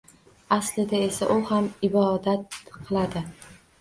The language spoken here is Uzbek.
Aslida esa u ham ibodat qiladi?